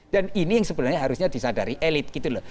dan ini yang sebenarnya harusnya disadari elit gitu loh